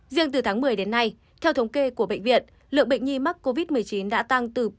riêng từ tháng một mươi đến nay theo thống kê của bệnh viện lượng bệnh nhi mắc covid một mươi chín đã tăng từ ba mươi